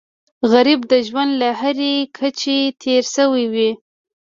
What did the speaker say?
غریب د ژوند له هرې کچې تېر شوی وي